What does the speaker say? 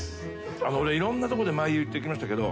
俺いろんなとこで「まいう」言ってきましたけど。